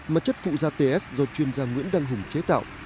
mà chất phụ da ts do chuyên gia nguyễn đăng hùng chế tạo